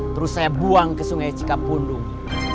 terus saya buang ke sungai cikapundung